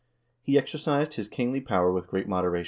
He exercised his kingly power with great moderation.